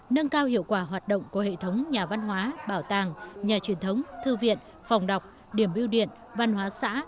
nâng cao hiệu quả hoạt động của hệ thống nhà văn hóa bảo tàng nhà truyền thống thư viện phòng đọc điểm biêu điện văn hóa xã